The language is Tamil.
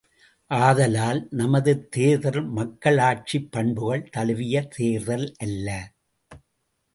ஆதலால், நமது தேர்தல் மக்களாட்சிப் பண்புகள் தழுவிய தேர்தல் அல்ல.